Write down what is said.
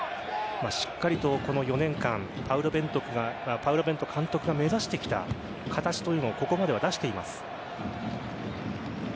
しっかりとこの４年間パウロ・ベント監督が目指してきた形というのをここまでは出しています。